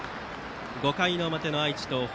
５回の表の愛知・東邦。